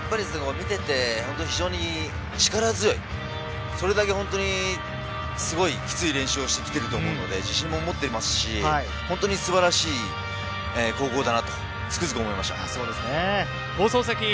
見ていて非常に力強い、それだけ本当にすごいキツい練習をしてきていると思うので、自信を持っていますし、本当に素晴らしい高校だなと、つくづく思いました。